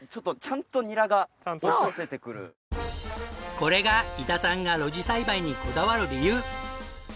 これが伊田さんが露地栽培にこだわる理由。